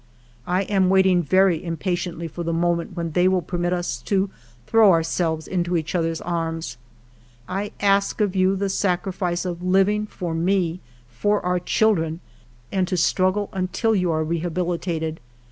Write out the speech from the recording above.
I am waiting very impatiently for the moment when they will permit us to throw ourselves into each other's arms. ... I ask of you the sacrifice of living for me, for our children, and to struggle until you are rehabilitated.